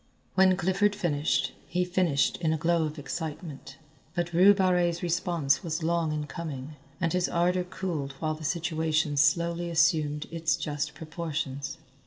When Clifford finished, he finished in a glow of excitement, but Rue Barrée's response was long in coming and his ardour cooled while the situation slowly assumed its just proportions.